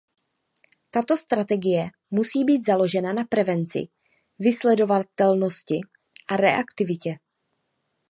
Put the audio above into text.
Tato strategie musí být založena na prevenci, vysledovatelnosti a reaktivitě.